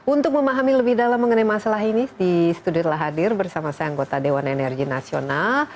untuk memahami lebih dalam mengenai masalah ini di studio telah hadir bersama saya anggota dewan energi nasional